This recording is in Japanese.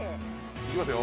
「いきますよ。